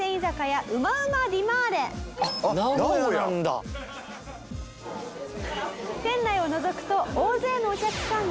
店内をのぞくと大勢のお客さんで大にぎわい。